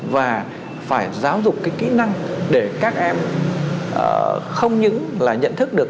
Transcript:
và phải giáo dục cái kỹ năng để các em không những là nhận thức được